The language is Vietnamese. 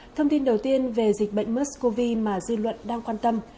thông tin đầu tiên về dịch bệnh mexcov mà dư luận đang quan tâm